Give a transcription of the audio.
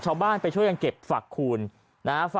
ชาวบ้านไปช่วยกันเก็บฝักคูณนะฮะ